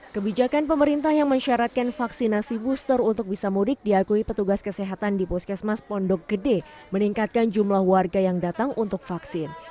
kebijakan pemerintah yang mensyaratkan vaksinasi booster untuk bisa mudik diakui petugas kesehatan di puskesmas pondok gede meningkatkan jumlah warga yang datang untuk vaksin